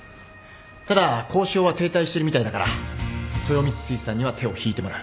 ただ交渉は停滞してるみたいだから豊光水産には手を引いてもらう